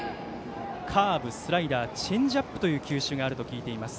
カーブ、スライダーチェンジアップの球種があると聞いています。